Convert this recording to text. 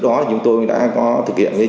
tại địa điểm tổ chức sea games ba mươi một